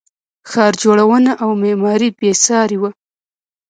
ښار جوړونه او معمارۍ بې ساري وه